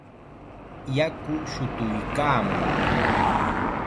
Yaku shutuykaamun.